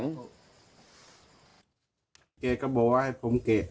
แกก็บอกว่าให้ผมเกะ